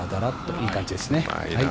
いい感じですね。